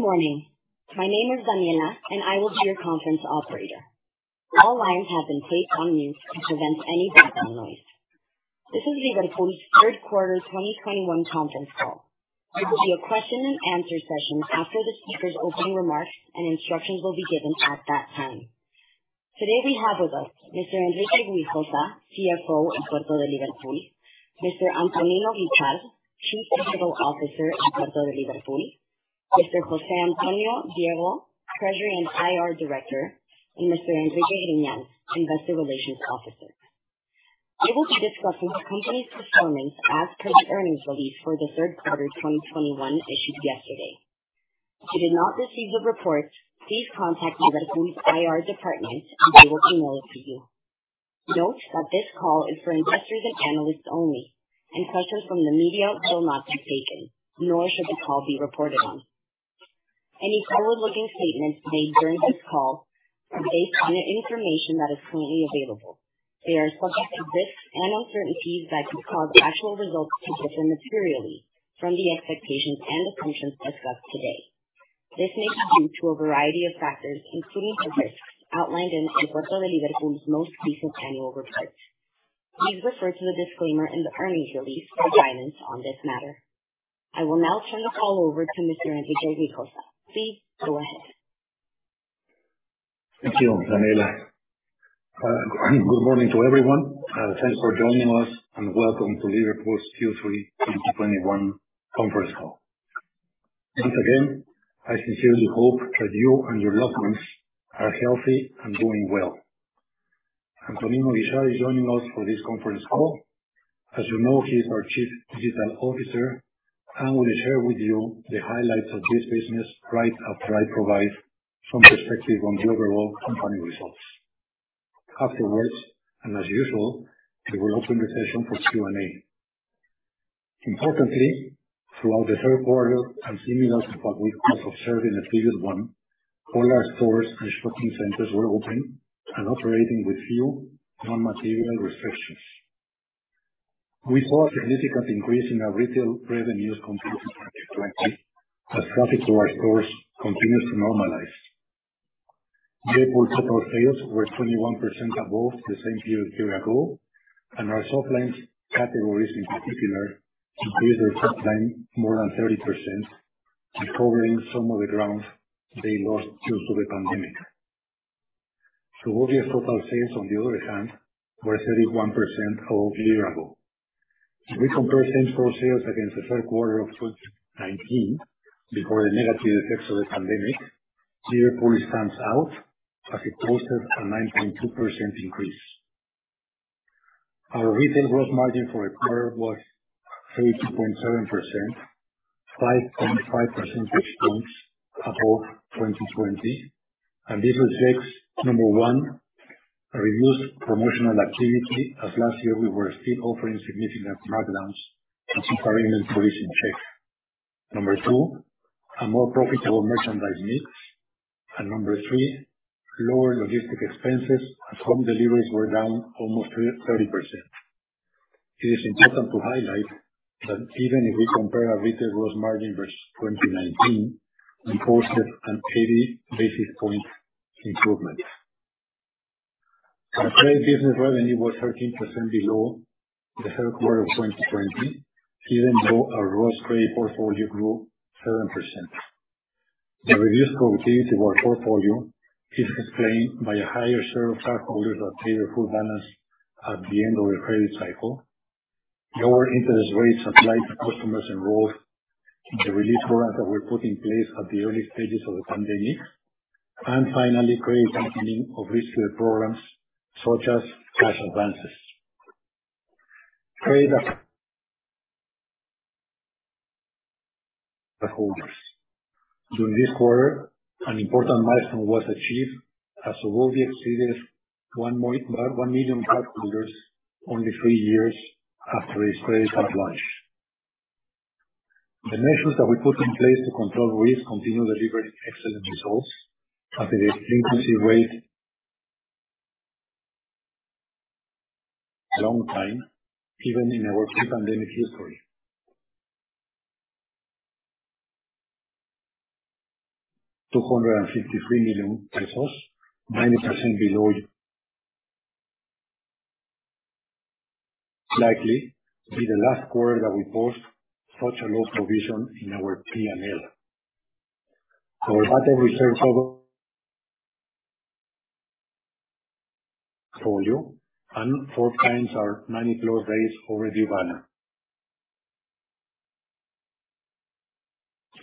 Good morning. My name is Daniela, and I will be your conference operator. All lines have been placed on mute to prevent any background noise. This is Liverpool's third quarter 2021 conference call. There will be a question and answer session after the speaker's opening remarks, and instructions will be given at that time. Today we have with us Mr. Enrique Güijosa, CFO of El Puerto de Liverpool. Mr. Antonino Guichard, Chief Digital Officer at El Puerto de Liverpool, Mr. Jose Antonio Diego, Treasury and IR Director, and Mr. Enrique Grinan, Investor Relations Officer. They will be discussing the company's performance as per the earnings release for the third quarter 2021 issued yesterday. If you did not receive the report, please contact Liverpool's IR department and they will email it to you. Note that this call is for investors and analysts only, and questions from the media will not be taken, nor should the call be reported on. Any forward-looking statements made during this call are based on information that is currently available. They are subject to risks and uncertainties that could cause actual results to differ materially from the expectations and assumptions discussed today. This may be due to a variety of factors, including the risks outlined in El Puerto de Liverpool's most recent annual report. Please refer to the disclaimer in the earnings release for guidance on this matter. I will now turn the call over to Mr. Enrique Güijosa. Please, go ahead. Thank you, Daniela. Good morning to everyone. Thanks for joining us, and welcome to Liverpool's Q3 2021 conference call. Once again, I sincerely hope that you and your loved ones are healthy and doing well. Antonino Guichard is joining us for this conference call. As you know, he is our Chief Digital Officer and will share with you the highlights of this business right after I provide some perspective on the overall company results. Afterwards, and as usual, we will open the session for Q&A. Importantly, throughout the third quarter, and similar to what we had observed in the previous one, all our stores and shopping centers were open and operating with few non-material restrictions. We saw a significant increase in our retail revenues compared to 2020 as traffic to our stores continued to normalize. Liverpool total sales were 21% above the same period a year ago, and our softlines categories in particular increased their top line more than 30%, recovering some of the ground they lost due to the pandemic. Suburbia total sales, on the other hand, were 31% of year ago. If we compare same store sales against the third quarter of 2019, before the negative effects of the pandemic, Liverpool stands out as it posted a 9.2% increase. Our retail gross margin for the quarter was 80.7%, 5.5 percentage points above 2020, and this reflects, number one, a reduced promotional activity, as last year we were still offering significant markdowns to keep our inventory in check. Number two, a more profitable merchandise mix, and number three, lower logistic expenses as home deliveries were down almost 30%. It is important to highlight that even if we compare our retail gross margin versus 2019, we posted an 80 basis point improvement. Our credit business revenue was 13% below the third quarter of 2020, even though our gross credit portfolio grew 7%. The reduced productivity of our portfolio is explained by a higher share of cardholders that paid their full balance at the end of the credit cycle, lower interest rates applied to customers enrolled in the relief programs that were put in place at the early stages of the pandemic. Finally, credit deepening of riskier programs such as cash advances. Credit card holders, during this quarter, an important milestone was achieved as Suburbia exceeded 1 million cardholders only 3 years after its credit card launch. The measures that we put in place to control risk continue delivering excellent results as the delinquency rate long time, even in our pre-pandemic history. MXN 253 million, 90% below, likely be the last quarter that we post such a low provision in our P&L. Our bad debt reserve portfolio. Four clients are 90-plus days overdue balance.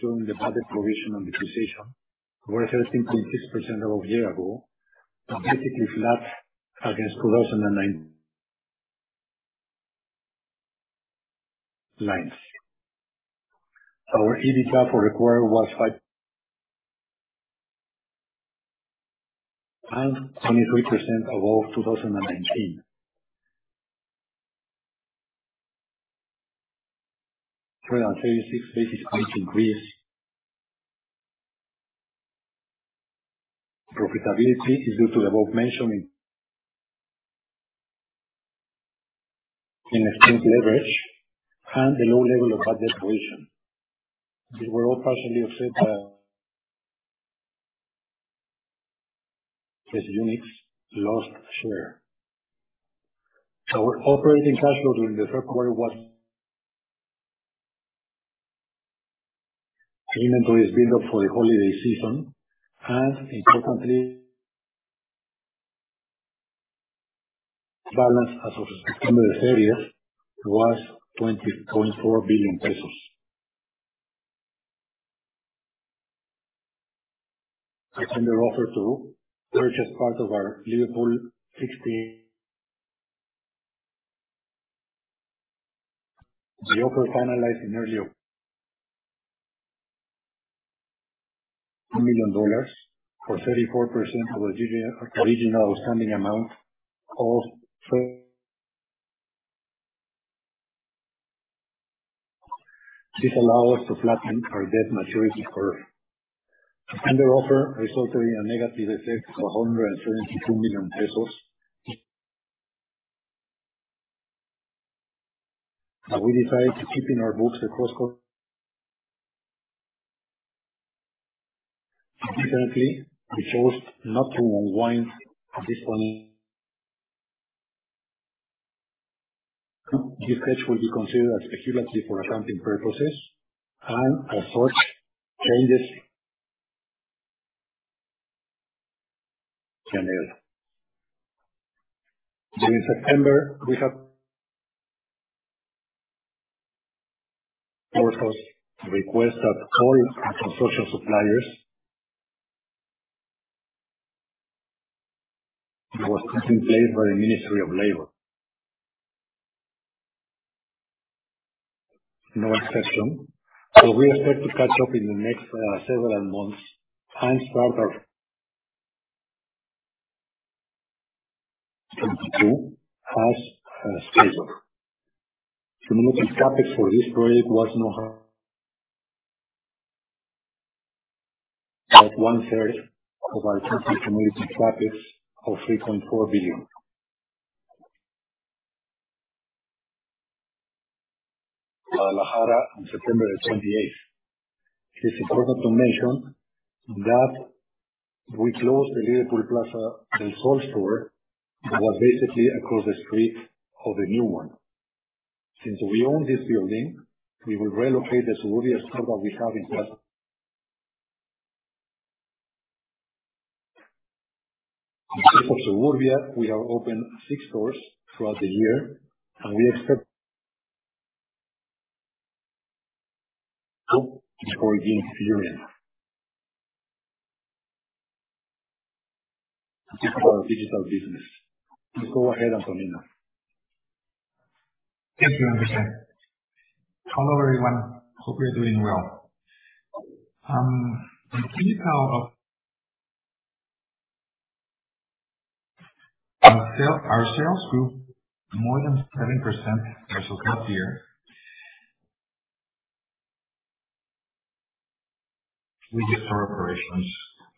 During the budget provision and depreciation, we're 13.6% above a year ago and basically flat against 2019 lines. Our EBITDA for the quarter was 5 and 23% above 2019. 12 and 36 basis point increase. Profitability is due to the above-mentioned in a strong leverage and a low level of bad debt provision. These were all partially offset by its units lost share. Our operating cash flow during the third quarter was -- inventory is built up for the holiday season, and importantly, balance as of September 30th was MXN 20.4 billion. A tender offer to purchase part of our Liverpool 60. The offer finalized in early --million dollars or 34% of original outstanding amount. This allow us to flatten our debt maturity curve. Tender offer resulted in a negative effect of 172 million pesos. And we decided to keep in our books the cross-currency. Importantly, we chose not to unwind this one. This cash will be considered as [inaudible] for accounting purposes and as such changes. During September, we have also requested that all construction suppliers was put in place by the Ministry of Labor. No exception. So we expect to catch up in the next several months and start our -- as scheduled. Cumulative CapEx for this period was at 1/3 of our 2022 cumulative CapEx of MXN 3.4 billion -- Guadalajara on September 28th. It's important to mention that we closed the Liverpool Plaza del Sol store, which was basically across the street of the new one. Since we own this building, we will relocate the Suburbia store that we have inside. In case of Suburbia, we have opened six stores throughout the year. We expect before the end of the year. This is our digital business. Go ahead, Antonino. Thank you, Enrique. Hello, everyone. Hope you're doing well. In retail, our sales grew more than 7% versus last year. We get our operations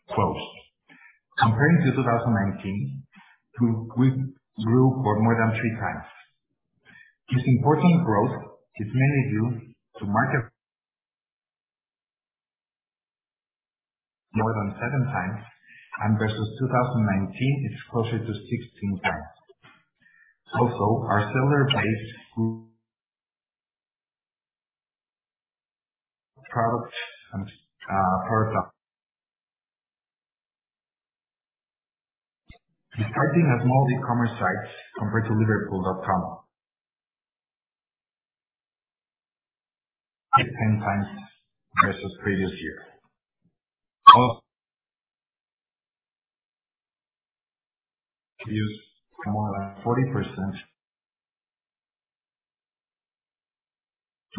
closed. Comparing to 2019, we grew for more than three times. This important growth is mainly due to market more than seven times, and versus 2019, it's closer to 16 times. Our seller base grew products further. Starting at small e-commerce sites compared to liverpool.com.mx. 10 times versus previous year -- use more than 40%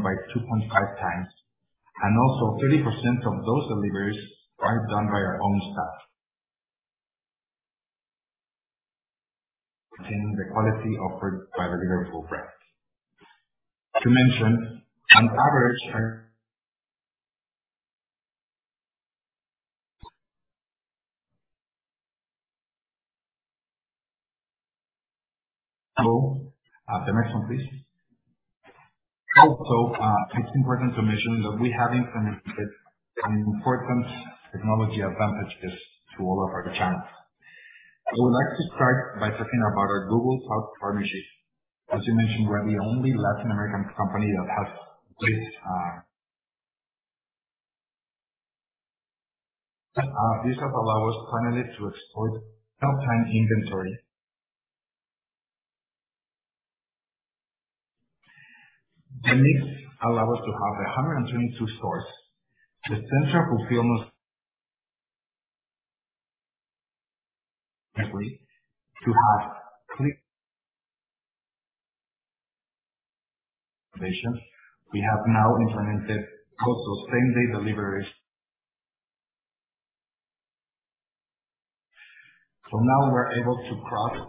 by 2.5 times and also 30% of those deliveries are done by our own staff. Maintaining the quality offered by the Liverpool brand. The next one, please. It's important to mention that we have implemented some important technology advantages to all of our channels. I would like to start by talking about our Google Cloud partnership. As you mentioned, we're the only Latin American company that has this. This has allowed us finally to export real-time inventory. This allow us to have 122 stores with center fulfillment. [inaudible] We have now implemented also same-day deliveries. Now we're able to cross.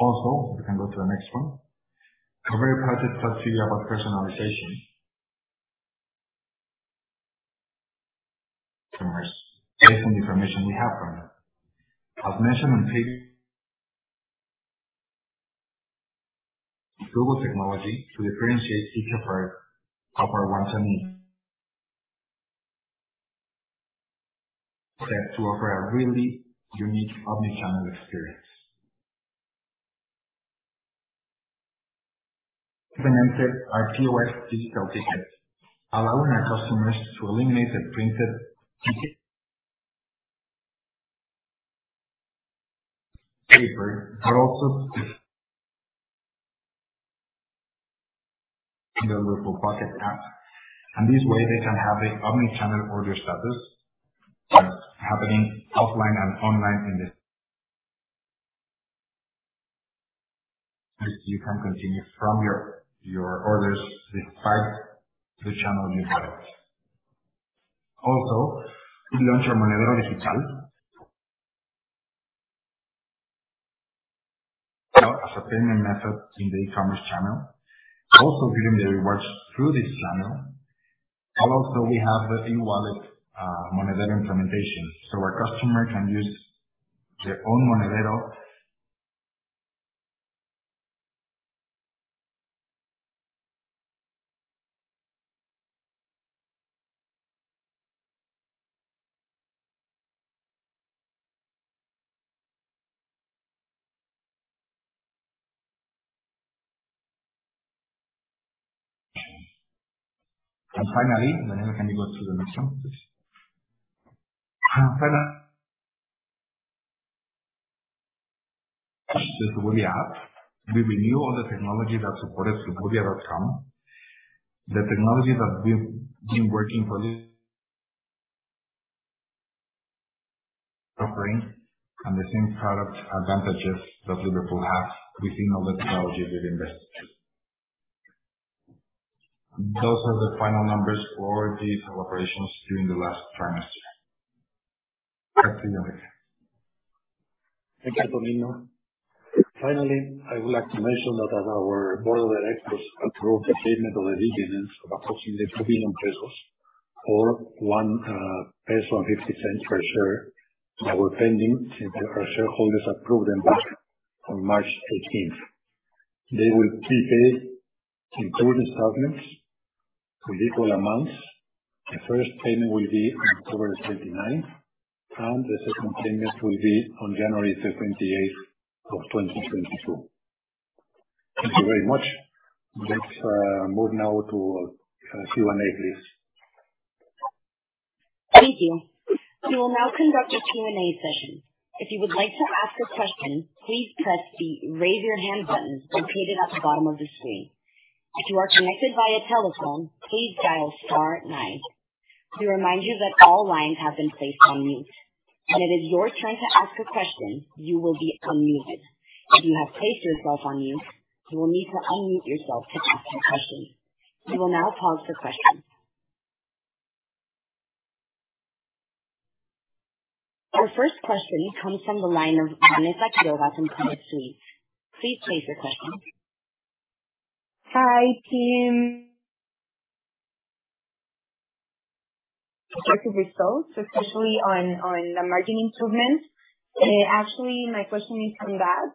You can go to the next one. A very positive strategy about personalization. Based on the information we have right now. [inaudible] Google technology to differentiate each of our wants and needs. Set to offer a really unique omnichannel experience. Even entered our POS digital ticket, allowing our customers to eliminate the printed -- paper, but also in the Liverpool Pocket app. This way they can have the omnichannel order status happening offline and online. You can continue from your orders, despite the channel you bought it. We launched our Monedero Digital. As a payment method in the e-commerce channel, also giving the rewards through this channel. Also we have the e-wallet Monedero implementation, so our customer can use their own Monedero. Finally, can you go to the next one, please? [inaudible] the Suburbia app, we renew all the technology that supported suburbia.com, the technology that we've been working for this, offering and the same product advantages that Liverpool have within all the technology we've invested. Those are the final numbers for these operations during the last trimester. Back to you, Enrique. Thank you, Antonino. Finally, I would like to mention that as our board of directors approved the payment of a dividend of approximately 4 billion pesos or 1.50 peso per share that were pending since our shareholders approved the on March 18th, they will be paid in two installments in equal amounts. The first payment will be on October 29th and the second payment will be on January 28th, 2022. Thank you very much. Let's move now to Q&A, please. Thank you. We will now conduct a Q&A session. If you would like to ask a question, please press the Raise Your Hand button located at the bottom of the screen. If you are connected via telephone, please dial star nine. We remind you that all lines have been placed on mute. When it is your turn to ask a question, you will be unmuted. If you have placed yourself on mute, you will need to unmute yourself to ask your question. We will now pause for questions. Our first question comes from the line of Vanessa Quiroga from Credit Suisse. Please place your question. Hi, team. Positive results, especially on the margin improvements. Actually, my question is on that.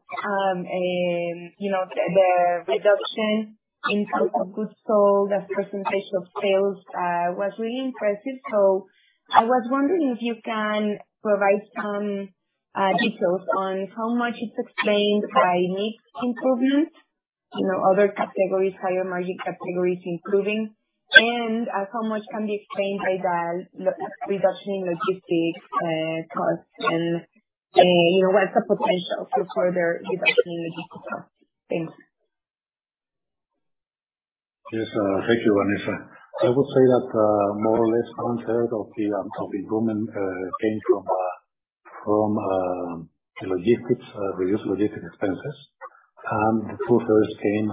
The reduction in cost of goods sold as a percentage of sales was really impressive. I was wondering if you can provide some details on how much it's explained by mix improvement, other categories, higher margin categories improving, and how much can be explained by the reduction in logistics costs and what's the potential for further reduction in logistics costs? Thanks. Yes. Thank you, Vanessa. I would say that more or less 1/3 of the improvement came from logistics, reduced logistics expenses. The 2/3 came.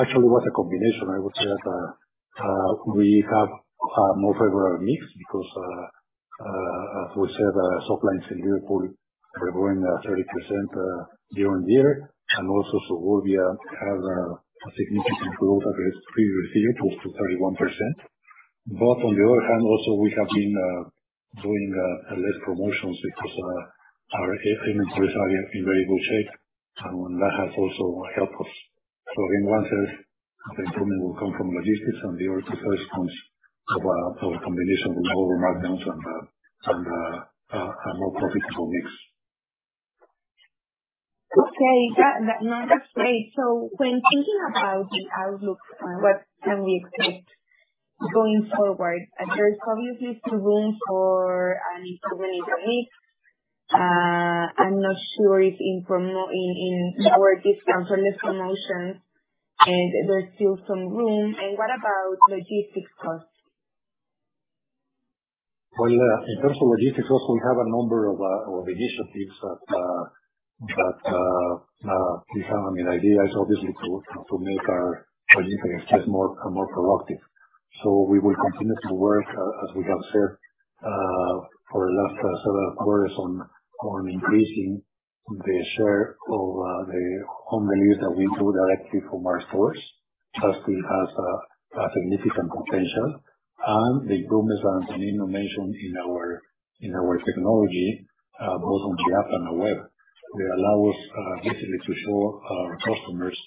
Actually it was a combination. I would say that we have a more favorable mix because as we said, softlines in Liverpool were growing at 30% year-over-year and also Suburbia had a significant growth versus previous year, close to 31%. On the other hand, also we have been doing less promotions because our earnings per share are in very good shape and that has also helped us. 1/3 of the improvement will come from logistics and the other 2/3 comes from a combination with lower markdowns and a more profitable mix. Okay. No, that's great. When thinking about the outlook, what can we expect going forward? There's obviously some room for an improvement in mix. I'm not sure if in lower discounts or less promotions and there's still some room. What about logistics costs? In terms of logistics costs, we have a number of initiatives that we have. The idea is obviously to make our logistics just more proactive. We will continue to work as we have said, for the last several quarters on increasing the share of the home delivery that we do directly from our stores, that still has a significant potential. The improvements that Antonino mentioned in our technology, both on the app and the web, they allow us basically to show our customers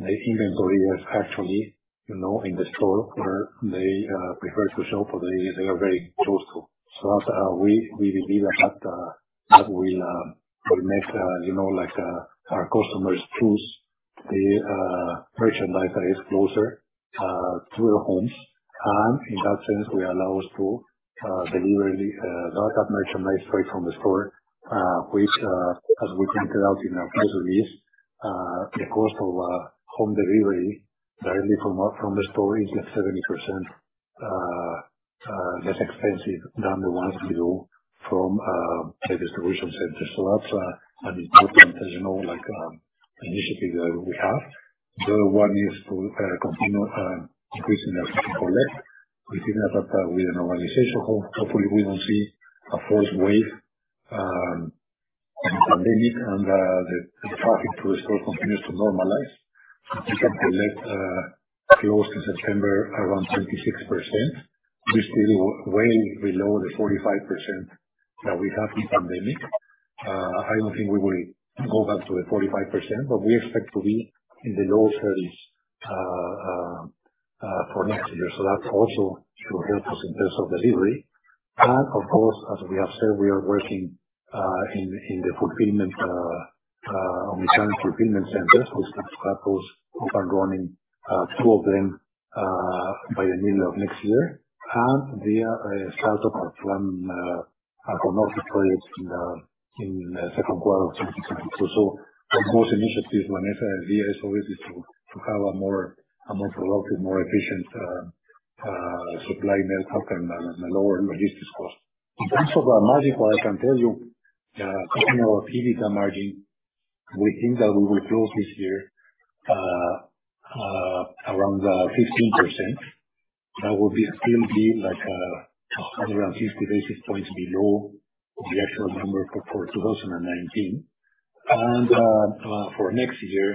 the inventory that's actually in the store where they prefer to shop or they are very close to. That's how we believe that will make our customers choose the merchandise that is closer to their homes. In that sense, will allow us to deliver that merchandise straight from the store, which, as we pointed out in our press release, the cost of home delivery directly from the store is at 70% less expensive than the ones we do from the distribution centers. That's an important initiative that we have. The other one is to continue increasing our Click & Collect, considering that we are in a normalization hope. Hopefully, we won't see a fourth wave in the pandemic, and the traffic to the store continues to normalize. Click & Collect closed in September around 26%, which is way below the 45% that we had in the pandemic. I don't think we will go back to the 45%, but we expect to be in the low 30s for next year. That also should help us in terms of delivery. Of course, as we have said, we are working in the mechanical fulfillment centers, which are supposed to open up and running two of them by the middle of next year. They are a startup of one automotive project in the second quarter of 2022. Of course, initiatives, Vanessa, the idea is always to have a more productive, more efficient supply network and lower logistics cost. In terms of the margin, what I can tell you, continuing our EBITDA margin, we think that we will close this year around 15%. That would be still be like 150 basis points below the actual number for 2019. For next year,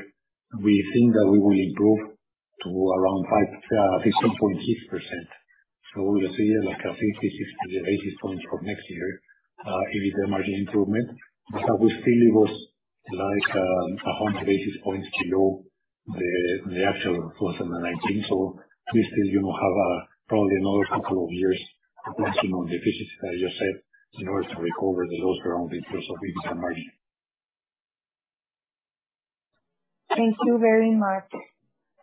we think that we will improve to around 5%-7.6%. We will see like 50, 60 basis points for next year EBITDA margin improvement. That would still be like 100 basis points below the actual 2019. We still have probably another couple of years of working on the efficiencies that you said in order to recover the lost ground in terms of EBITDA margin. Thank you very much,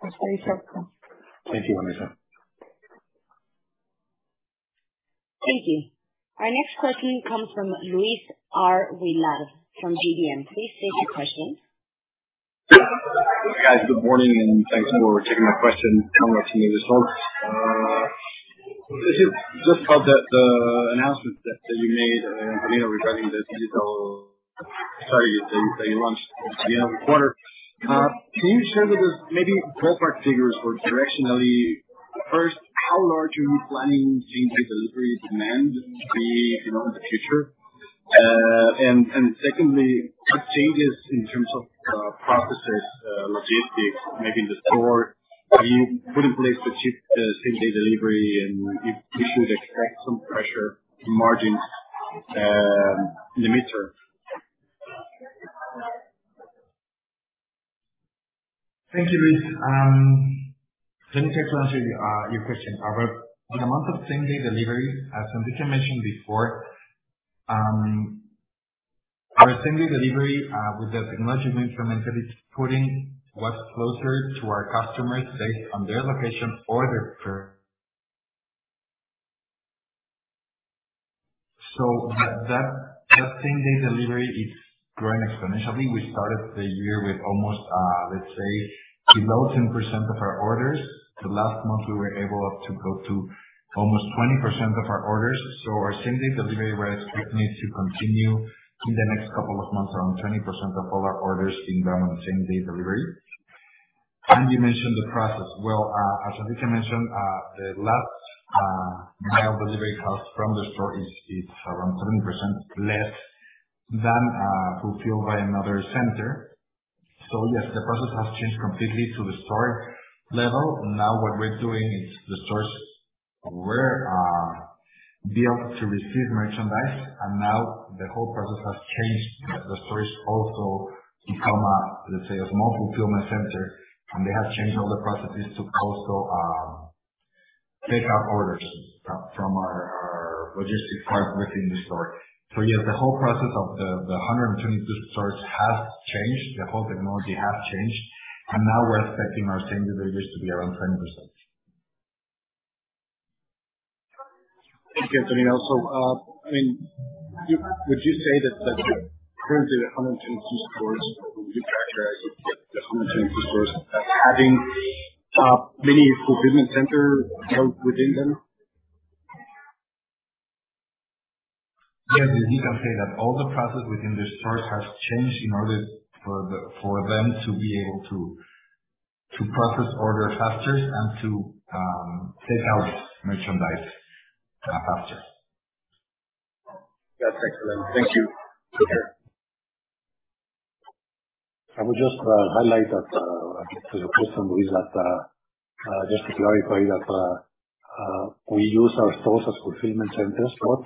Enrique. Thank you, Vanessa. Thank you. Our next question comes from Luis R. Willard from GBM. Please state your question. Guys, good morning. Thanks for taking my question. I'm watching this one. This is just about the announcement that you made, Antonino, regarding the digital Sorry, that you launched at the end of the quarter. Can you share with us maybe ballpark figures for directionally, first, how large are you planning same day delivery demand to be in the future? Secondly, what changes in terms of processes, logistics, maybe in the store, you put in place to achieve same day delivery, and if we should expect some pressure in margins in the mid-term? Thank you, Luis. Let me try to answer your question. On the matter of same day delivery, as Antonino mentioned before, our same day delivery with the technology we implemented is putting what's closer to our customers based on their location. [inaudible] That same day delivery is growing exponentially. We started the year with almost, let's say, below 10% of our orders. The last month, we were able to go to almost 20% of our orders. Our same day delivery, we are expecting it to continue in the next couple of months, around 20% of all our orders being done on same day delivery. You mentioned the process. Well, as Antonino mentioned, the last mile delivery cost from the store is around 70% less than Fulfilled by another center. Yes, the process has changed completely to the store level. What we're doing is the stores were built to receive merchandise, and now the whole process has changed. The stores also become, let's say, a small fulfillment center, they have changed all the processes to also pick up orders from our logistic part within the store. Yes, the whole process of the 122 stores has changed, the whole technology has changed, we're expecting our same day deliveries to be around 20%. Thank you, Antonio. Would you say that currently the 122 stores, or would you characterize the 122 stores as having many fulfillment centers held within them? We can say that all the process within the store has changed in order for them to be able to process orders faster and to send out merchandise faster. That's excellent. Thank you. Take care. I would just highlight that to your question, Luis, just to clarify that we use our stores as fulfillment centers, but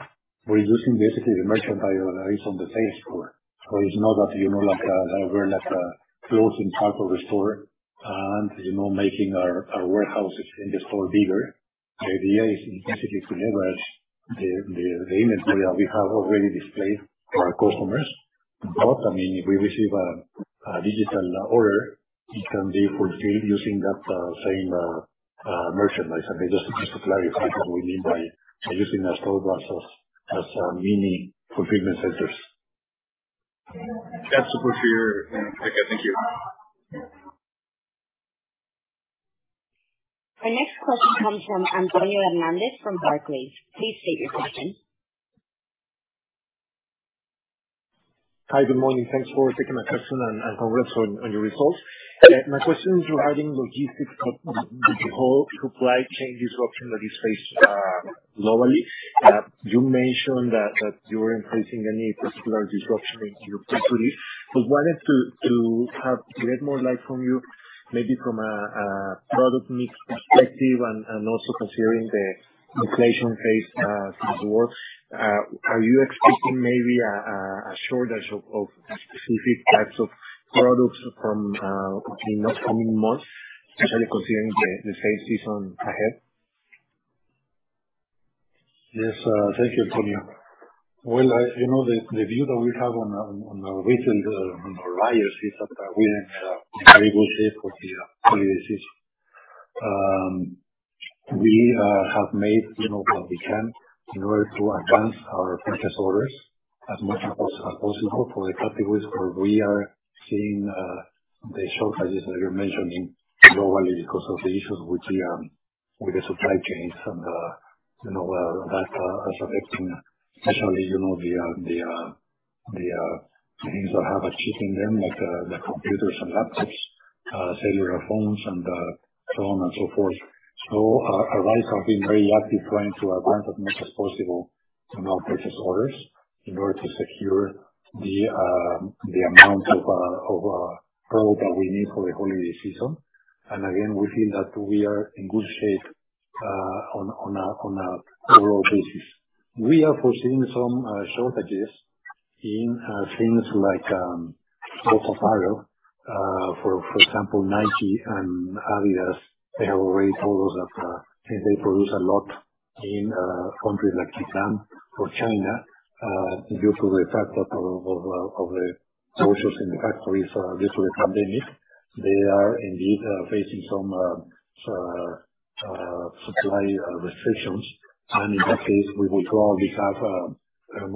we're using basically the merchandise that is on the sales floor. It's not that we're closing part of the store and making our warehouses in the store bigger. The idea is basically to leverage the inventory that we have already displayed for our customers. If we receive a digital order, it can be fulfilled using that same merchandise. Just to clarify what we mean by using our stores as mini fulfillment centers. That's helpful to hear, take care. Thank you. Our next question comes from Antonio Hernández from Barclays. Please state your question. Hi. Good morning. Thanks for taking my question, and congrats on your results. My question is regarding logistics, the whole supply chain disruption that is faced globally. You mentioned that you're not facing any particular disruption in your country. Wanted to get more light from you, maybe from a product mix perspective and also considering the inflation phase as it was. Are you expecting maybe a shortage of specific types of products in the coming months, especially considering the sale season ahead? Yes. Thank you, Antonio. Well, the view that we have on our retail, on ARISE is that we're in a very good shape for the holiday season. We have made what we can in order to advance our purchase orders as much as possible for the categories where we are seeing the shortages that you're mentioning globally because of the issues with the supply chains in the world that are affecting especially the things that have a chip in them, like the computers and laptops, cellular phones and so on and so forth. ARISE have been very active trying to advance as much as possible purchase orders in order to secure the amount of product that we need for the holiday season. And again, we feel that we are in good shape on an overall basis. We are foreseeing some shortages in things like sports apparel. For example, Nike and Adidas, they produce a lot in countries like Vietnam or China. Due to the factor of the closures in the factories due to the pandemic, they are indeed facing some supply restrictions. In that case, we will probably have 30%-40%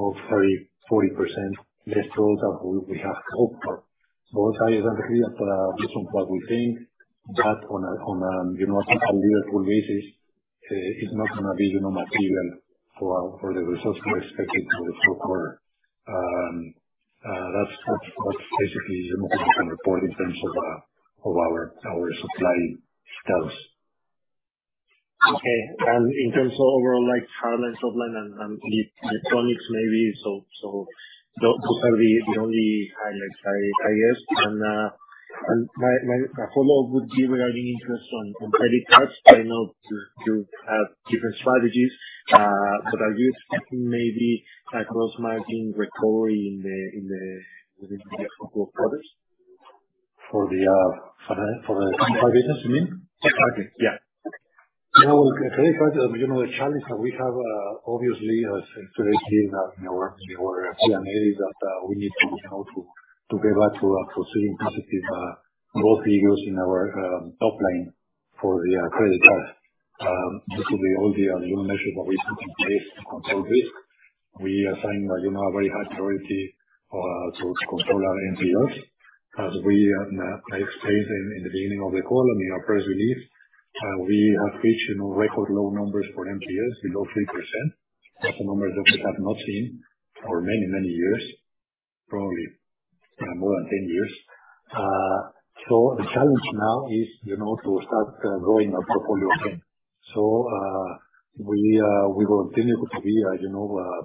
less product than we have hoped for. As I agree, based on what we think that on a year-on-year basis is not going to be material for the results we are expecting for the full quarter. That's basically the most we can report in terms of our supply status. Okay. In terms of overall highlights, top line and electronics maybe. Those are the only highlights, I guess. My follow-up would be regarding interest on credit cards. I know you have different strategies, but are you expecting maybe a gross margin recovery in the next couple of quarters? For the credit card business, you mean? Exactly, yeah. You know, the challenge that we have, obviously, as you have seen in our works before, is that we need to get back to foreseeing positive growth figures in our top line for the credit card. Due to all the measures that we put in place to control this, we assigned a very high priority to control our NPLs. As I explained in the beginning of the call, in the press release, we have reached record low numbers for NPLs below 3%. That's a number that we have not seen for many years, probably more than 10 years. The challenge now is to start growing our portfolio again. We will continue to be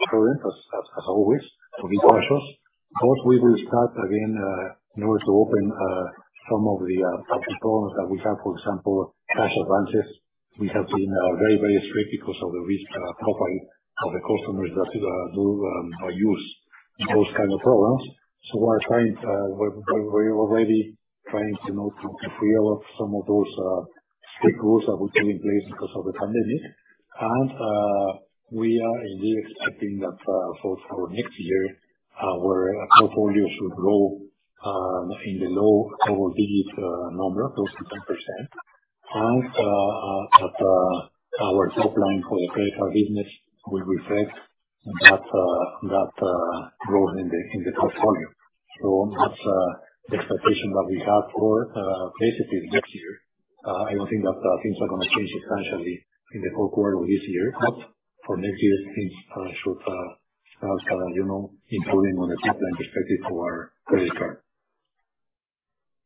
prudent as always, to be cautious, but we will start again in order to open some of the product programs that we have. For example, cash advances. We have been very strict because of the risk profile of the customers that do use those kind of programs. We're already trying to free up some of those strict rules that we put in place because of the pandemic. We are indeed expecting that for next year, our portfolio should grow in the low double-digit number, close to 10%. That our top line for the credit card business will reflect that growth in the portfolio. That's the expectation that we have for basically next year. I don't think that things are going to change substantially in the fourth quarter of this year. For next year, things should start improving on a top-line perspective for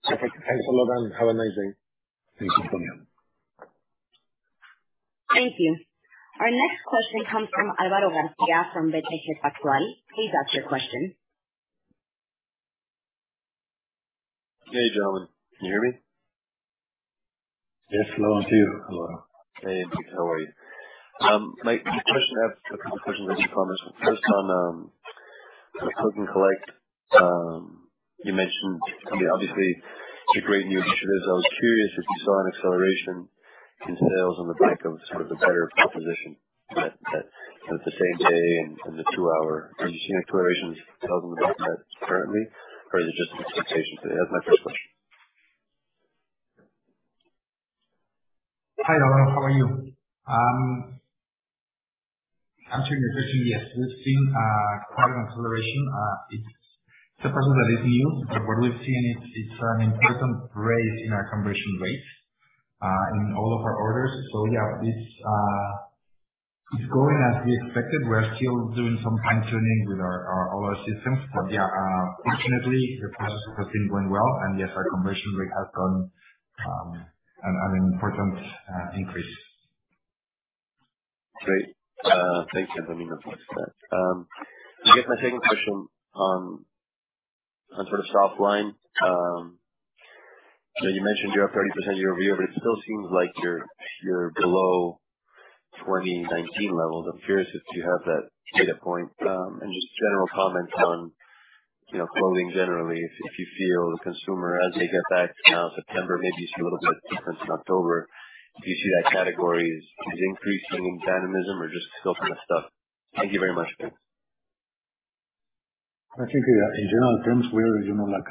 our credit card. Perfect. Thanks a lot, and have a nice day. Thanks, Antonio. Thank you. Our next question comes from Álvaro García from BTG Pactual. Please ask your question. Hey, gentlemen. Can you hear me? Yes, loud and clear, Álvaro. Hey, how are you? I have a couple questions, if you promise. First, on Click & Collect, you mentioned, obviously, the great new addition is. I was curious if you saw an acceleration in sales on the back of sort of the better proposition, that the same day and the 2-hour. Are you seeing accelerations tell them about that currently, or is it just expectations? That's my first question. Hi, Álvaro. How are you? To answer your question, yes, we've seen quite an acceleration. It's a process that is new. What we've seen, it's an important rise in our conversion rates in all of our orders. Yeah, it's going as we expected. We are still doing some fine-tuning with all our systems. Yeah, fortunately, the process has been going well, and yes, our conversion rate has had an important increase. Great. Thanks, Antonio, for that. I guess my second question, on sort of soft line. You mentioned you're up 30% year-over-year, but it still seems like you're below 2019 levels. I'm curious if you have that data point, and just general comments on clothing generally, if you feel the consumer as they get back to September, maybe see a little bit difference in October. Do you see that category is increasing in dynamism or just still kind of stuck? Thank you very much, guys. I think in general terms, we're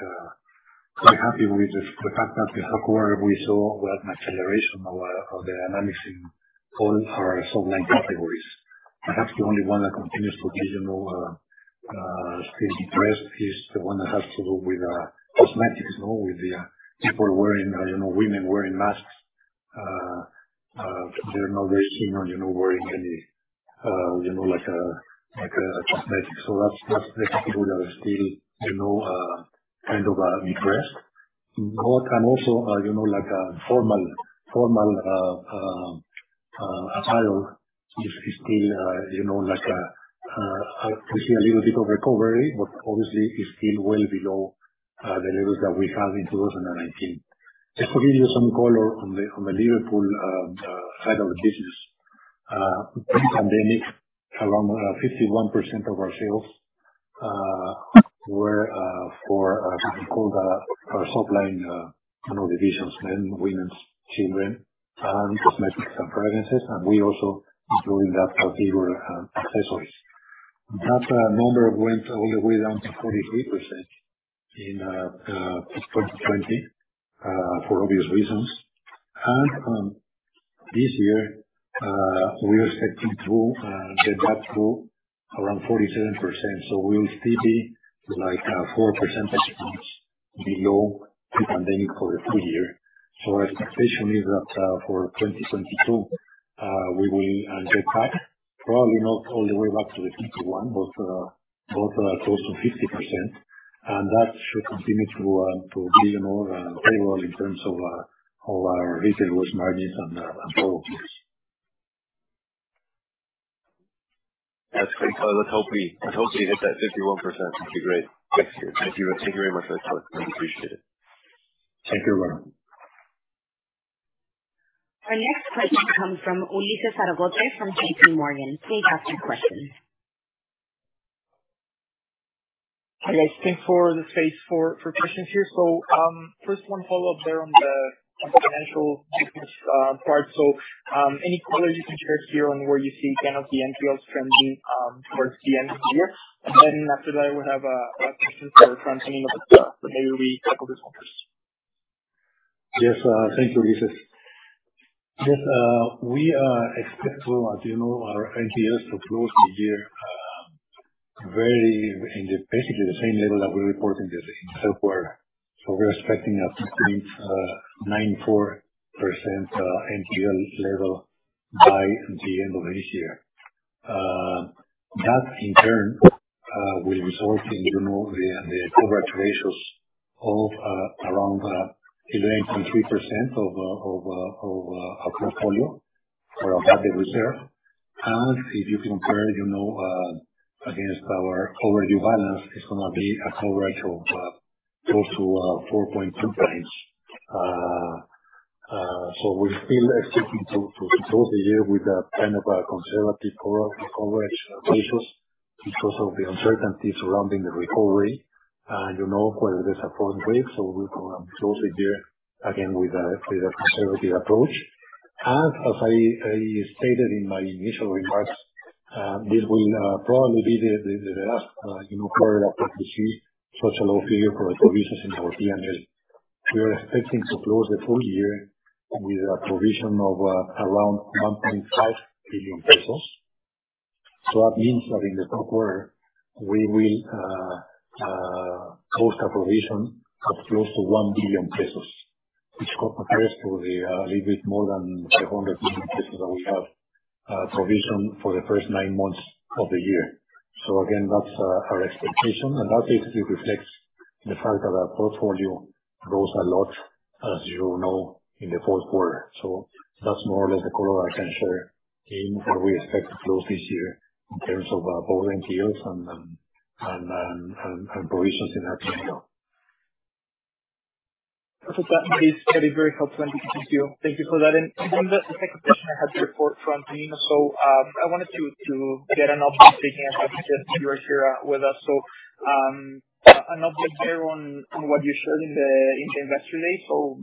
quite happy with the fact that in the fourth quarter we saw we had an acceleration of the dynamics in all our soft line categories. Perhaps the only one that continues to be a little still depressed is the one that has to do with cosmetics. With people wearing, women wearing masks, they're not very keen on wearing any cosmetics. That's the category that is still kind of depressed. Also, formal apparel is still pushing a little bit of recovery, but obviously is still well below the levels that we had in 2019. Just to give you some color on the Liverpool side of the business. Pre-pandemic, around 51% of our sales were for what we call the soft line divisions, men, women, children, cosmetics, and fragrances, and we also include in that category accessories. That number went all the way down to 43% in 2020, for obvious reasons. This year, we are expecting to get that to around 47%. We'll still be like four percentage points below pre-pandemic for the full year. Our expectation is that for 2022, we will get back, probably not all the way back to the 51%, but close to 50%. That should continue to be more favorable in terms of our retail gross margins and profit mix. That's great color. Let's hope we hit that 51%. That'd be great next year. Thank you. Thank you very much, guys. Really appreciate it. Thank you, Álvaro. Our next question comes from Ulises Argote from JPMorgan. Please ask your question. Hi, guys. Thanks for the space for questions here. First one follow up there on the financial difference part. Any color you can share here on where you see NPLs trending towards the end of the year? After that, I would have a question for Antonio, but maybe we tackle this one first. Yes, thanks, Ulises. Yes, we expect, as you know, our NPLs to close the year very in basically the same level that we report in the third quarter. We're expecting a [inaudible] NPL level by the end of this year. That in turn will result in the coverage ratios of around 11.3% of our portfolio or of that reserve. If you compare against our overdue balance, it's going to be a coverage of close to 4.2 times. We're still expecting to close the year with a kind of a conservative coverage ratios because of the uncertainty surrounding the recovery, and whether there's a fourth wave. We're going to be closely there, again, with a conservative approach. As I stated in my initial remarks, this will probably be the last quarter that we see such a low figure for provisions in our P&L. We are expecting to close the full year with a provision of around 1.5 billion pesos. That means that in the fourth quarter, we will post a provision of close to 1 billion pesos, which compares to the little bit more than 300 million pesos that we have provisioned for the first nine months of the year. Again, that's our expectation, and that basically reflects the fact that our portfolio grows a lot, as you know, in the fourth quarter. That's more or less the color I can share in how we expect to close this year in terms of our volume deals and provisions in that regard. That is very helpful. Thank you, Enrique. Thank you for that. The second question I had before for Antonino. I wanted you to get an update, since you are here with us.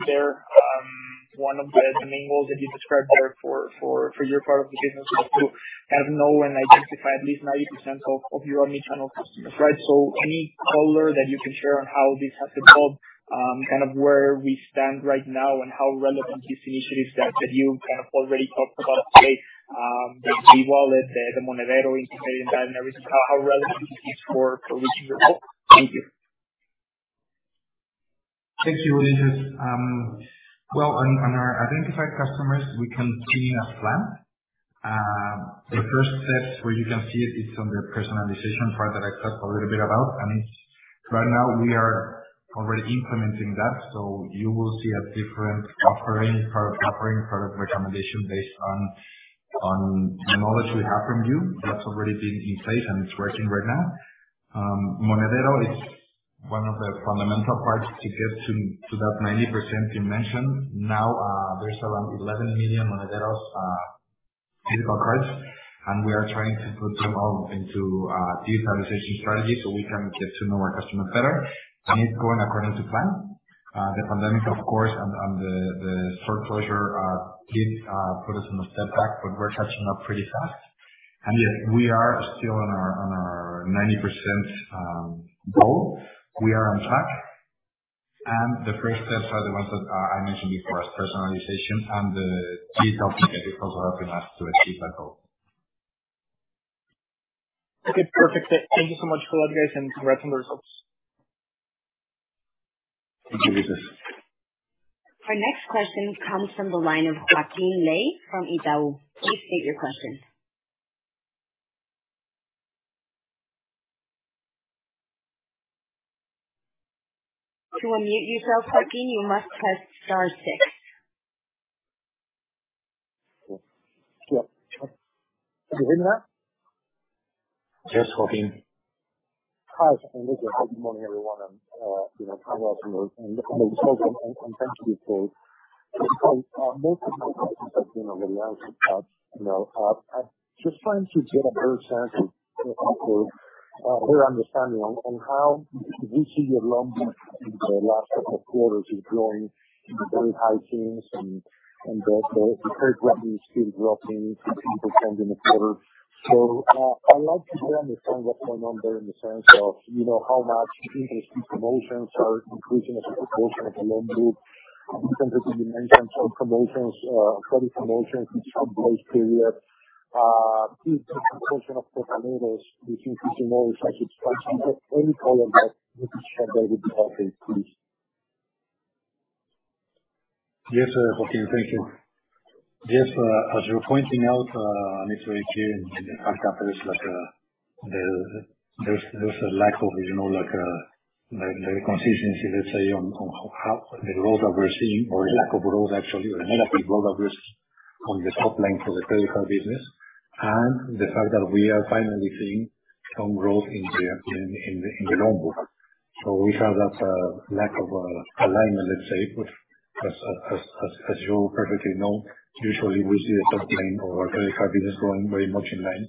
There, one of the main goals that you described there for your part of the business was to have, know, and identify at least 90% of your omni-channel customers, right? Any color that you can share on how this has evolved, kind of where we stand right now and how relevant these initiatives that you kind of already talked about today, the e-wallet, the Monedero, integrated in that and the rest, how relevant is this for reaching your goal? Thank you. Thank you, Ulises. Well, on our identified customers, we can see a plan. The first steps where you can see it is on the personalization part that I talked a little bit about. Right now, we are already implementing that. You will see a different offering, product offering, product recommendation based on the knowledge we have from you. That's already been in place, and it's working right now. Monedero is one of the fundamental parts to get to that 90% you mentioned. Now, there's around 11 million Monederos physical cards, and we are trying to put them all into a digitalization strategy so we can get to know our customers better. It's going according to plan. The pandemic, of course, and the store closure did put us in a step back, but we're catching up pretty fast. Yes, we are still on our 90% goal. We are on track. The first steps are the ones that I mentioned before as personalization and the digital ticket because they're helping us to achieve that goal. Okay, perfect. Thank you so much for that, guys, and congrats on the results. Thank you, Ulises. Our next question comes from the line of Joaquín Ley from Itaú. Please state your question. To unmute yourself, Joaquín, you must press star six. Yeah. Did you hear that? Yes, Joaquín. Hi, Enrique. Good morning, everyone, and congrats on the results and thanks for this call. Most of my questions have been on the loan book. I'm just trying to get a better sense of, for example, a better understanding on how we see your loan book in the last couple of quarters is growing in very high teens and that the credit quality is still dropping 15% in the quarter. I'd like to better understand what's going on there in the sense of how much interest-free promotions are increasing as a proportion of the loan book in terms of dimensions of promotions, [credit] promotions, which are those periods, the proportion of the saldos which increase in those types of structures. Any color that you can share there would be perfect, please. Yes, Joaquín, thank you. Yes, as you're pointing out, actually, in the past, there's a lack of consistency, let's say, on how the growth that we're seeing or lack of growth, actually, the lack of growth that we're seeing on this top line for the credit card business and the fact that we are finally seeing some growth in the loan book. We have that lack of alignment, let's say, which as you all perfectly know, usually we see a top line of our credit card business growing very much in line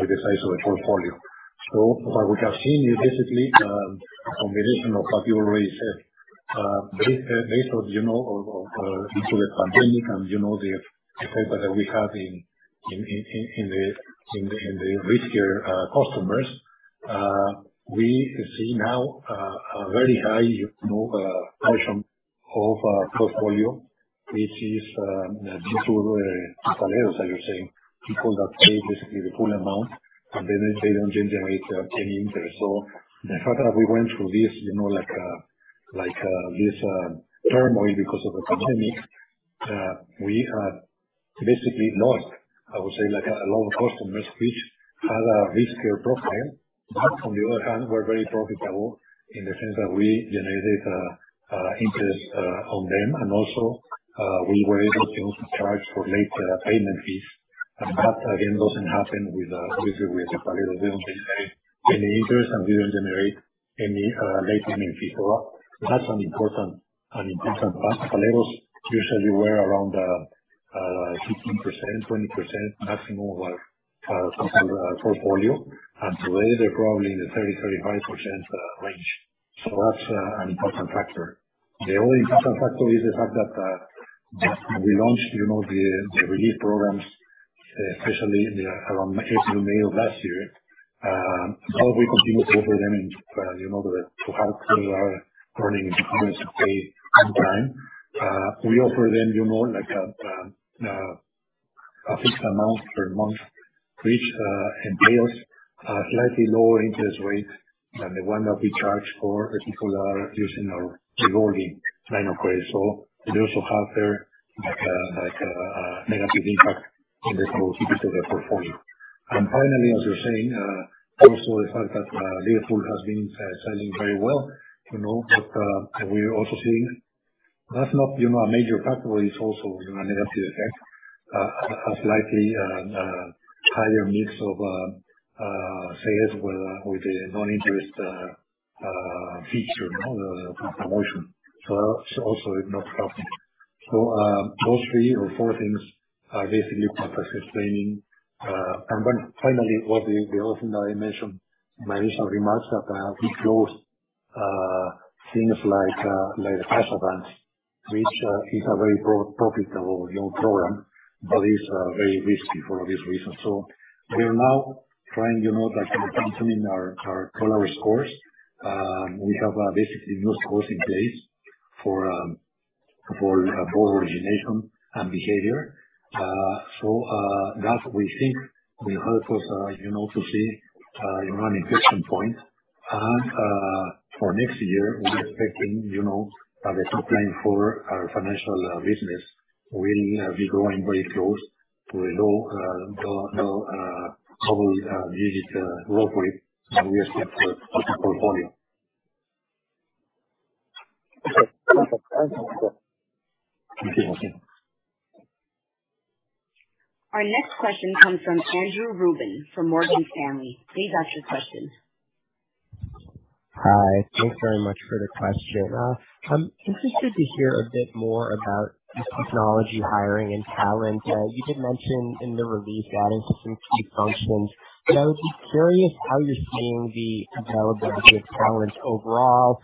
with the size of the portfolio. What we have seen is basically a combination of what you already said. Based on the pandemic and the effect that we had in the riskier customers, we see now a very high portion of our portfolio, which is due to saldos, as you're saying, people that pay basically the full amount, and then they don't generate any interest. The fact that we went through this turmoil because of the pandemic, we had basically lost, I would say, a lot of customers which had a riskier profile, but on the other hand, were very profitable in the sense that we generated interest on them. Also, we were able to charge for late payment fees. That, again, doesn't happen with the saldos. We don't generate any interest, and we don't generate any late payment fees. That's an important factor. Saldos usually were around 15%, 20% maximum of our portfolio, and today they're probably in the 30%, 35% range. That's an important factor. The only important factor is the fact that we launched the relief programs, especially around 18th of May of last year. We continue to offer them to help grow our earnings and pay on time. We offer them a fixed amount per month, which entails a slightly lower interest rate than the one that we charge for people that are using our revolving line of credit. We also have there a negative impact in the cost because of that portfolio. Finally, as you're saying, also the fact that Liverpool has been selling very well. We are also seeing that's not a major factor, but it's also a negative effect, a slightly higher mix of sales with the non-interest feature promotion. That also is not helping. Those three or four things are basically what is explaining. Finally, the other thing that I mentioned in my initial remarks, that we closed things like cash advance, which is a very profitable program, but is very risky for obvious reasons. We are now trying by strengthening our lower scores. We have basically new scores in place for board origination and behavior. That we think will help us to see an inflection point. For next year, we are expecting the top line for our financial business will be growing very close to a low double-digit growth rate than we expect for the portfolio. Thank you. Our next question comes from Andrew Ruben from Morgan Stanley. Please ask your question. Hi. Thanks very much for the question. I'm interested to hear a bit more about this technology hiring and talent. You did mention in the release adding some key functions, but I would be curious how you're seeing the availability of talent overall,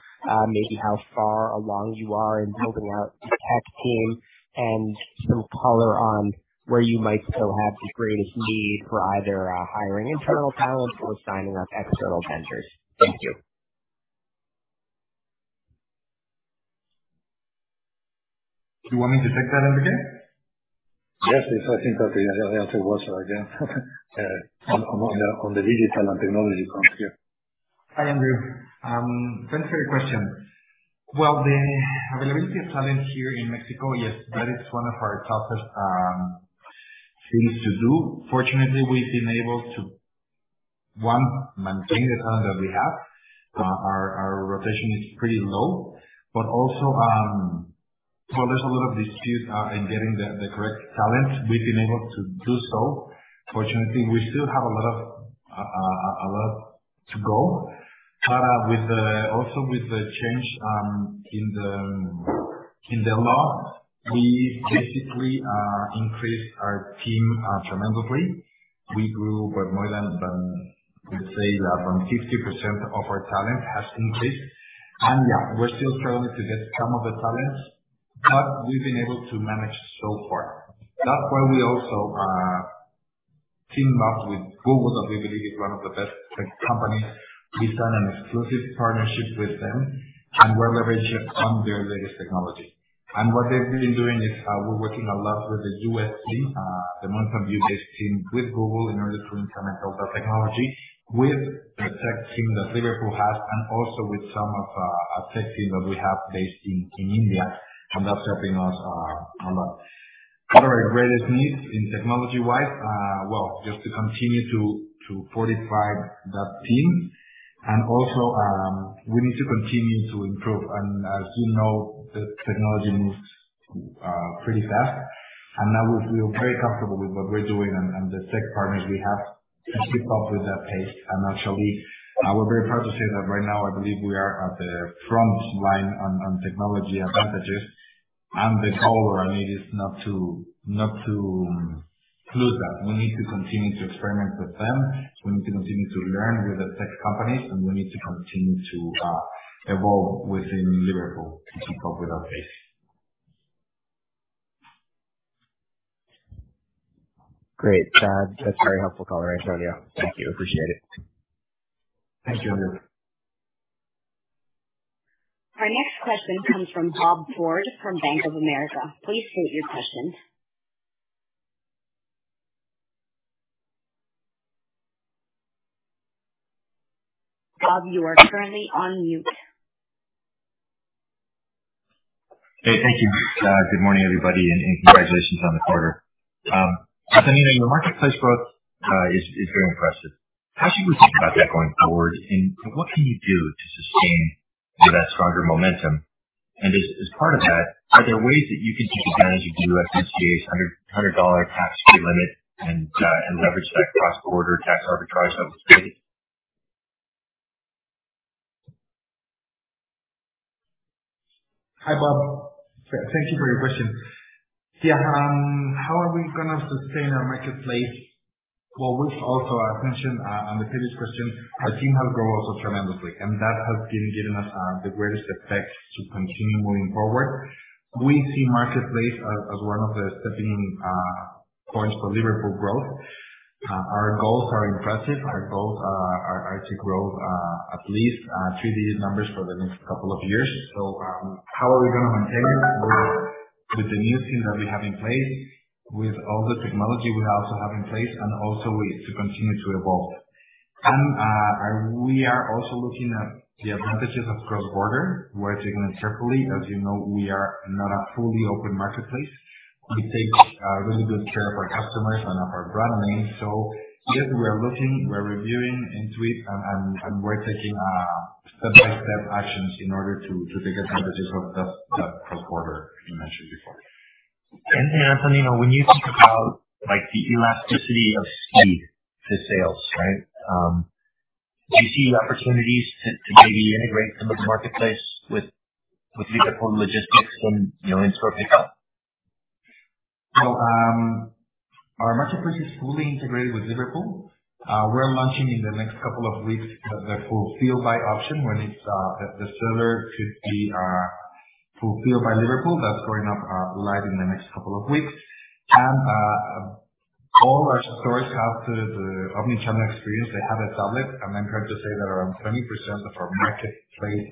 maybe how far along you are in building out the tech team, and some color on where you might still have the greatest need for either hiring internal talent or signing up external vendors. Thank you. You want me to take that, Enrique? Yes, please. I think that the answer was on the digital and technology front. Yeah. Hi, Andrew Ruben. Thanks for your question. Well, the availability of talent here in Mexico, yes, that is one of our toughest things to do. Fortunately, we've been able to, one, maintain the talent that we have. Our rotation is pretty low, but also, while there's a lot of dispute in getting the correct talent, we've been able to do so. Fortunately, we still have a lot to go. Also with the change in the law, we basically increased our team tremendously. We grew with more than, I would say, from 60% of our talent has increased. Yeah, we're still struggling to get some of the talents, but we've been able to manage so far. That's why we also teamed up with Google, that we believe is one of the best tech companies. We've done an exclusive partnership with them, and we're leveraging on their latest technology. What they've been doing is we're working a lot with the U.S. team, the Monterrey-based team, with Google in order to implement all that technology with the tech team that Liverpool has and also with some of our tech team that we have based in India, and that's helping us a lot. What are our greatest needs in technology-wise? Well, just to continue to fortify that team. Also, we need to continue to improve. As you know, the technology moves pretty fast. Now, we feel very comfortable with what we're doing and the tech partners we have to keep up with that pace. Actually, we're very proud to say that right now, I believe we are at the front line on technology advantages and the power. It is not to lose that. We need to continue to experiment with them. We need to continue to learn with the tech companies, and we need to continue to evolve within Liverpool to keep up with that pace. Great. That's very helpful color, Antonino. Thank you. Appreciate it. Thank you, Andrew. Our next question comes from Robert Ford from Bank of America. Please state your question. Bob, you are currently on mute. Hey, thank you. Good morning, everybody, and congratulations on the quarter. Antonino, your marketplace growth is very impressive. How should we think about that going forward, and what can you do to sustain that stronger momentum? As part of that, are there ways that you can take advantage of the USMCA's 100-dollar tax-free limit and leverage that cross-border tax arbitrage opportunity? Hi, Bob. Thank you for your question. Yeah. How are we going to sustain our marketplace? Well, we've also mentioned on the previous question, our team has grown also tremendously, and that has given us the greatest effect to continue moving forward. We see marketplace as one of the stepping points for Liverpool growth. Our goals are impressive. Our goals are to grow at least three-digit numbers for the next couple of years. How are we going to maintain with the new things that we have in place, with all the technology we also have in place, and also to continue to evolve? We are also looking at the advantages of cross-border. We're taking it carefully. As you know, we are not a fully open marketplace. We take really good care of our customers and of our brand name. Yes, we are looking, we're reviewing in tweak, and we're taking step-by-step actions in order to take advantages of that cross-border you mentioned before. Antonino, when you think about the elasticity of speed to sales, do you see opportunities to maybe integrate some of the marketplace with Liverpool logistics and in-store pickup? Our marketplace is fully integrated with Liverpool. We're launching in the next couple of weeks the Fulfilled by option when it's the seller could be fulfilled by Liverpool. That's going up live in the next couple of weeks. All our stores have the omnichannel experience. They have a tablet. I'm encouraged to say that around 20% of our marketplace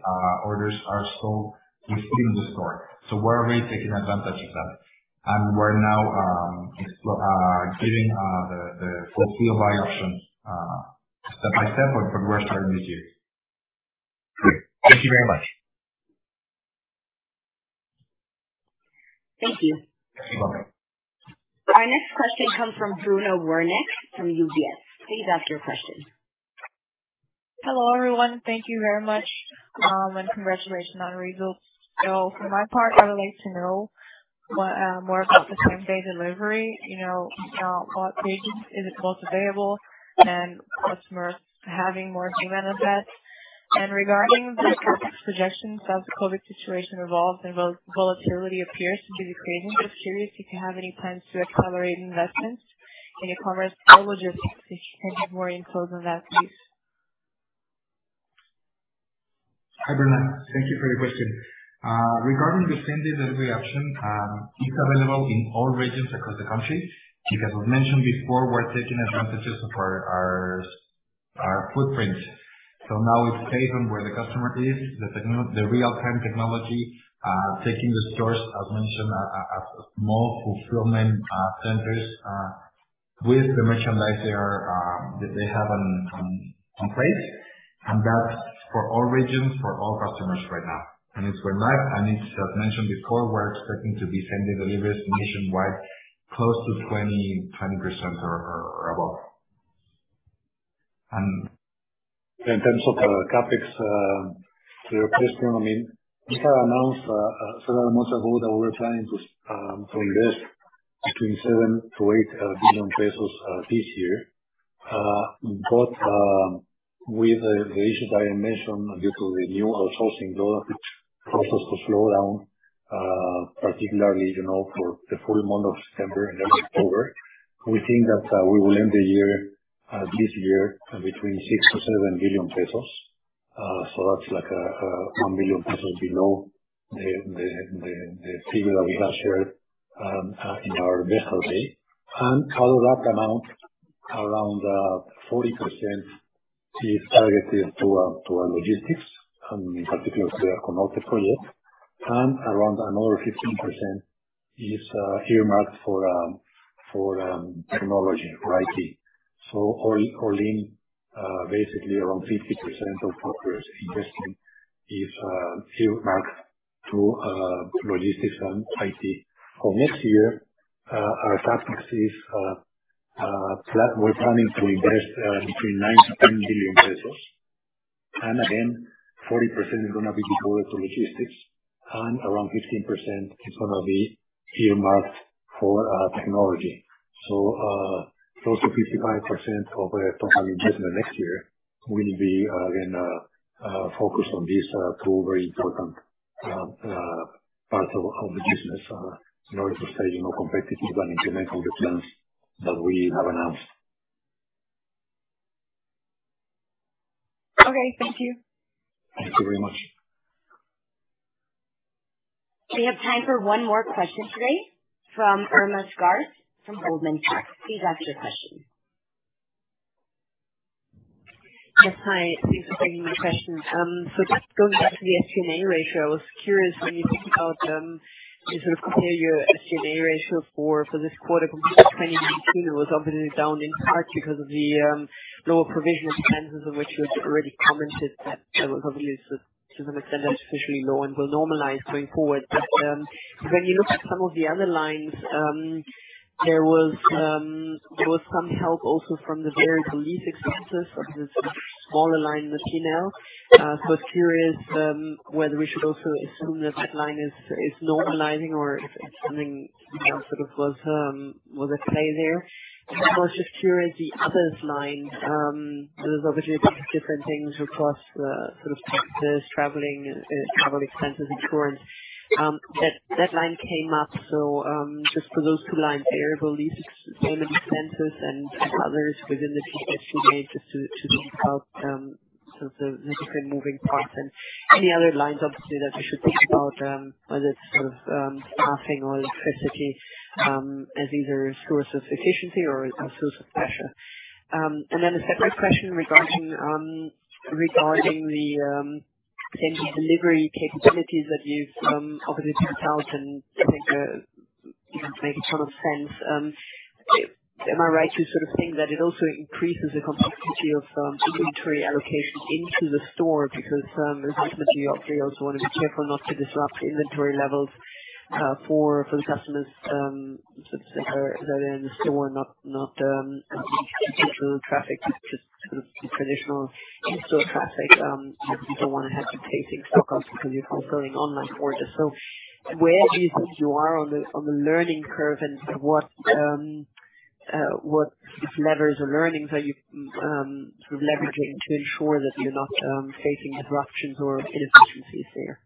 orders are sold within the store. We're really taking advantage of that. We're now giving the Fulfilled by option step-by-step and we're starting with you. Great. Thank you very much. Thank you. You're welcome. Our next question comes from Bruna Werneck from UBS. Please ask your question. Hello, everyone. Thank you very much. Congratulations on the results. For my part, I would like to know more about the same-day delivery, what regions is it most available and customers having more demand on that. Regarding the CapEx projections as the COVID situation evolves and volatility appears to be fading, just curious if you have any plans to accelerate investments in e-commerce or logistics. If you can give more info on that, please. Hi, Bruna. Thank you for your question. Regarding the same-day delivery option, it's available in all regions across the country. Because as mentioned before, we're taking advantages of our footprint. now it's based on where the customer is, the real-time technology, taking the stores as mentioned, as small fulfillment centers with the merchandise that they have in place. that's for all regions, for all customers right now. It's going live and as mentioned before, we're expecting to be same-day deliveries nationwide, close to 20% or above. In terms of CapEx to your question, we had announced several months ago that we were planning to invest between 7 billion-8 billion pesos this year. With the issues I mentioned due to the new outsourcing reform, which caused us to slow down, particularly for the full month of September and October, we think that we will end this year between 6 billion-7 billion pesos. That's like 1 billion pesos below the figure that we had shared in our investor day. Of that amount, around 40% is targeted to our logistics and in particular to our [inaudible] project. Around another 15% is earmarked for technology, for IT. All in, basically around 50% of our investment is earmarked to logistics and IT. For next year, our CapEx is flat. We're planning to invest between 9 billion-10 billion pesos. Again, 40% is going to be devoted to logistics, and around 15% is going to be earmarked for technology. Close to 55% of our total investment next year will be again focused on these two very important parts of the business in order to stay competitive and implement all the plans that we have announced. Okay. Thank you. Thank you very much. We have time for one more question today from Irma Sgarz from Goldman Sachs. Please ask your question. Yes. Hi. Thanks for taking my question. Just going back to the SG&A ratio, I was curious when you think about you sort of compare your SG&A ratio for this quarter compared to 2019, it was obviously down in part because of the lower provision expenses of which you had already commented that it was obviously to some extent artificially low and will normalize going forward. When you look at some of the other lines, there was some help also from the variable lease expenses, which is a smaller line in the P&L. I was curious whether we should also assume that that line is normalizing or if something was at play there. Then, I was just curious, the others line, there's obviously a bunch of different things across, [inaudible] traveling, travel expenses, insurance. That line came up so just for those two lines there, variable leases and expenses, and others within the SG&A, just to think about the different moving parts and any other lines, obviously, that we should think about, whether it's staffing or [electricity], as either a source of efficiency or a source of pressure. A separate question regarding the same-day delivery capabilities that you've offered in [2020], I think make a ton of sense. Am I right to sort of think that it also increases the complexity of inventory allocation into the store because ultimately, obviously, you also want to be careful not to disrupt inventory levels for the customers that are there in the store, not the digital traffic, just sort of the traditional in-store traffic. Obviously, don't want to have to facing stockouts because you're fulfilling online orders. Where do you think you are on the learning curve and what levers of learnings are you sort of leveraging to ensure that you're not facing disruptions or inefficiencies there?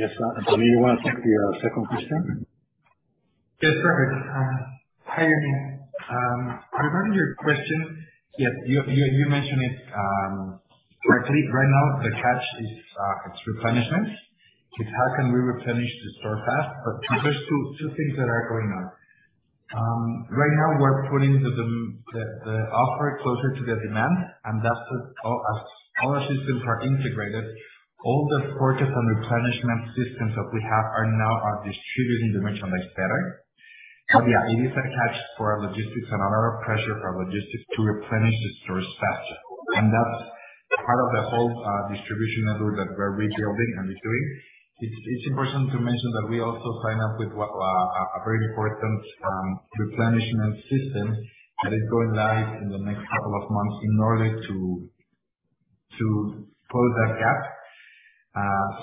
Yes. Antonino, do you want to take the second question? Yes, perfect. Hi, Irma. Regarding your question, you mentioned it correctly. Right now, the catch is its replenishment. It's how can we replenish the store fast? there's two things that are going on. Right now, we're putting the offer closer to the demand, and as all our systems are integrated, all the purchase and replenishment systems that we have are now are distributing the merchandise better. Yeah, it is a catch for logistics and a lot of pressure for logistics to replenish the stores faster. That's part of the whole distribution network that we're rebuilding and doing. It's important to mention that we also signed up with a very important replenishment system that is going live in the next couple of months in order to close that gap.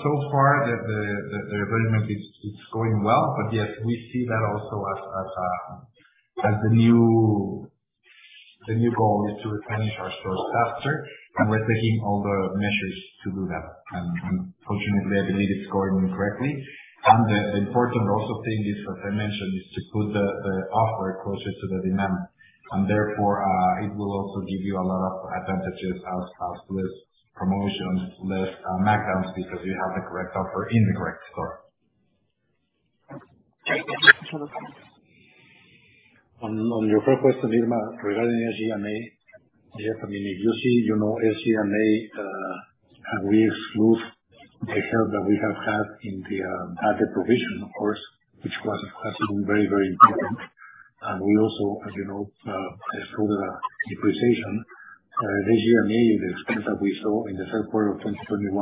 So far, the arrangement is going well, but yes, we see that also as the new goal is to replenish our stores faster, and we're taking all the measures to do that. Fortunately, I believe it's going correctly. The important also thing is, as I mentioned, is to put the offer closer to the demand, and therefore, it will also give you a lot of advantages as less promotion, less markdowns because you have the correct offer in the correct store. Okay. Thank you. On your first question, Irma, regarding SG&A, yes, if you see SG&A, and we exclude the help that we have had in the budget provision, of course, which was, of course, very, very important. We also, as you know, saw the depreciation. The SG&A, the expense that we saw in the third quarter of 2021,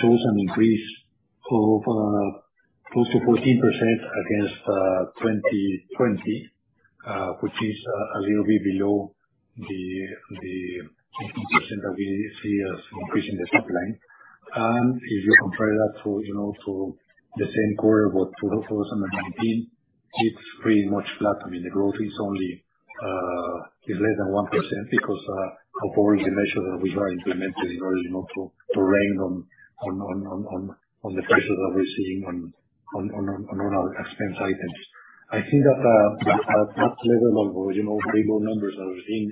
shows an increase of close to 14% against 2020, which is a little bit below the 15% that we see as increase in the top line. If you compare that to the same quarter of 2019, it's pretty much flat. I mean, the growth is only less than 1% because of all the measures that we have implemented in order to rein them on the pressures that we're seeing on our expense items. I think that that level of original [inaudible] numbers that we're seeing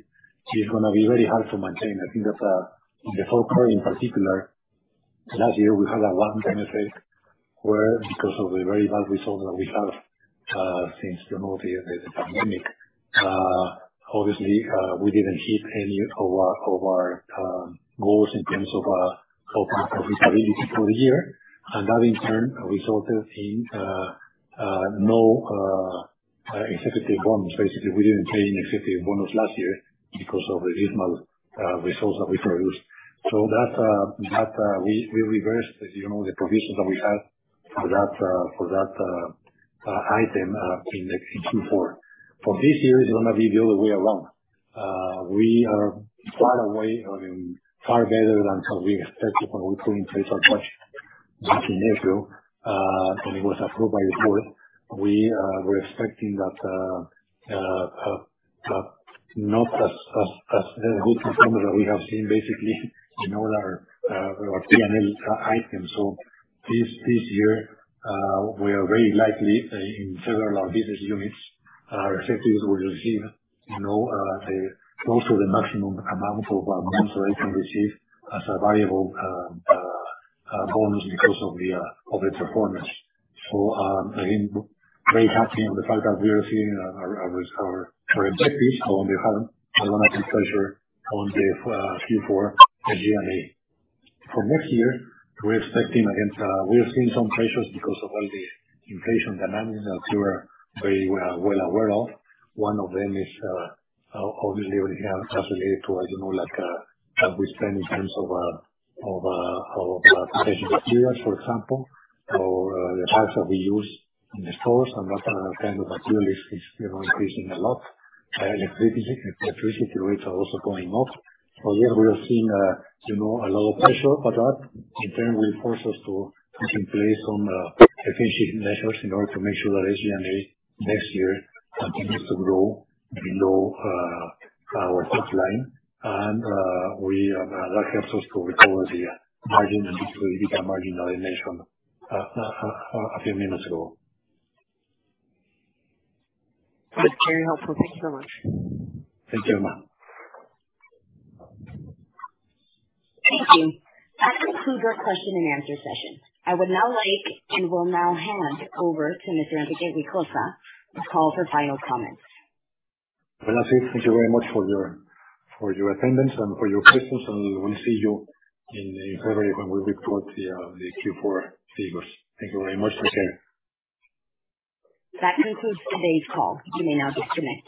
is going to be very hard to maintain. I think that in the third quarter, in particular, last year we had a one-time effect where because of the very bad results that we have since the pandemic, obviously, we didn't hit any of our goals in terms of profitability for the year. That in turn resulted in no executive bonus. Basically, we didn't pay any executive bonus last year because of the dismal results that we produced. That we reversed the provisions that we had for that item in the Q4. For this year, it's going to be the other way around. We are far away or doing far better than what we expected when we put in place our budget back in April, and it was approved by the board. We're expecting that not as good as numbers that we have seen basically in all our P&L items. This year, we are very likely, in several of our business units, our executives will receive close to the maximum amount of bonus that they can receive as a variable bonus because of the performance. I'm very happy on the fact that we are seeing our objectives on the bottom line and pressure on the Q4 SG&A. For next year, we are seeing some pressures because of all the inflation dynamics that you are very well aware of. One of them is obviously related to what we spend in terms of packaging materials, for example, or the bags that we use in the stores and that kind of material is increasing a lot. Electricity rates are also going up. There, we are seeing a lot of pressure for that. In turn, will force us to put in place some efficiency measures in order to make sure that SG&A next year continues to grow below our top line. That helps us to recover the EBITDA margin that I mentioned a few minutes ago. That's very helpful. Thank you so much. Thank you, Irma. Thank you. That concludes our question and answer session. I would now like to hand over to Mr. Enrique Güijosa to call for final comments. Thank you. Thank you very much for your attendance and for your questions, and we'll see you in February when we report the Q4 figures. Thank you very much. Take care. That concludes today's call. You may now disconnect.